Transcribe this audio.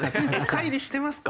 乖離してますか？